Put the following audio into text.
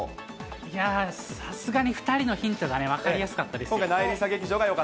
いやー、さすがに２人のヒントが分かりやすかったですよ。